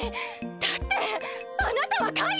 だってあなたはカイじゃない！